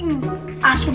asun gak jujur